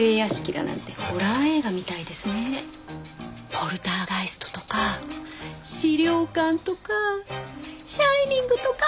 『ポルターガイスト』とか『死霊館』とか『シャイニング』とか！